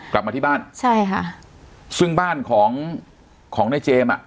กลับมาที่บ้านใช่ค่ะซึ่งบ้านของของในเจมส์อ่ะ